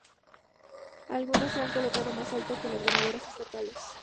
Algunas se han colocado más alto que las ganadoras estatales.